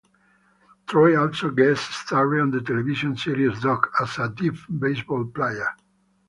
Troy also guest starred on the television series "Doc" as a deaf baseball player.